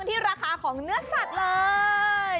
ที่ราคาของเนื้อสัตว์เลย